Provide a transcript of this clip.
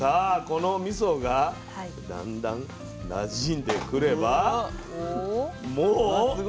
このみそがだんだんなじんでくればもう完成でございます。